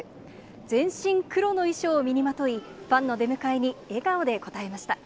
全身黒の衣装を身にまとい、ファンの出迎えに笑顔で応えました。